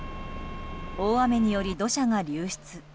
大雨により土砂が流出。